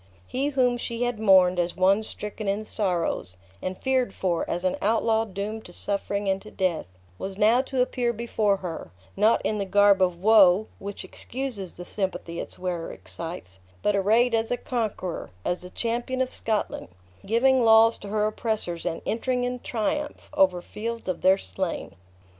He whom she had mourned as one stricken in sorrows, and feared for, as an outlaw doomed to suffering and to death, was now to appear before her, not in the garb of woe, which excuses the sympathy its wearer excites, but arrayed as a conqueror, as the champion of Scotland, giving laws to her oppressors, and entering in triumph, over fields of their slain!